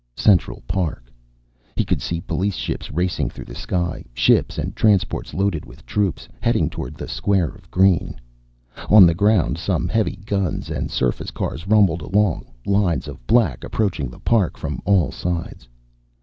Central Park. He could see police ships racing through the sky, ships and transports loaded with troops, heading toward the square of green. On the ground some heavy guns and surface cars rumbled along, lines of black approaching the park from all sides.